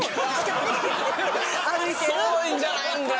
そういうんじゃないんだ！